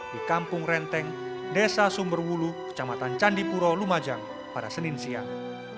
di kampung renteng desa sumberwulu kecamatan candipuro lumajang pada senin siang